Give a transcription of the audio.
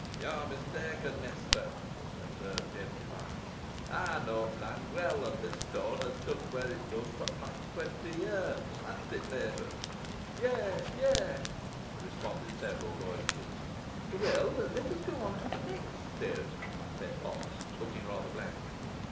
"Yo are mistaen, mester," observed Jem Device; "ey knoa th' lond weel, an this stoan has stood where it does fo' t' last twenty year. Ha'n't it, neeburs?" "Yeigh yeigh," responded several voices. "Well, let us go on to the next stone," said Potts, looking rather blank.